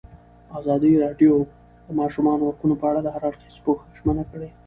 ازادي راډیو د د ماشومانو حقونه په اړه د هر اړخیز پوښښ ژمنه کړې.